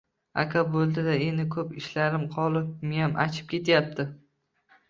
Aka, bo`ldi-da endi, ko`p ishlarim qolib, miyam achib ketayapti